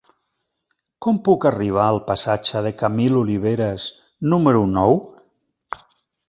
Com puc arribar al passatge de Camil Oliveras número nou?